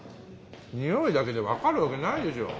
においだけで分かるわけないでしょ